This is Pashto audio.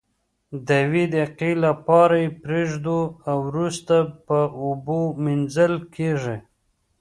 د یوې دقیقې لپاره یې پریږدو او وروسته په اوبو مینځل کیږي.